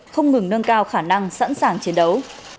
không ngừng nâng cao khả năng sẵn sàng chiến đấu